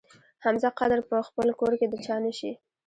حمزه قدر په خپل کور کې د چا نه شي.